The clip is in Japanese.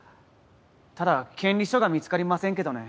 ただ権利書が見つかりませんけどね。